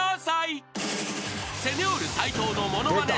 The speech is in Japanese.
［セニョール斎藤のモノマネ